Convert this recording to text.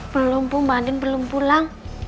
belum mbak anding belum pulang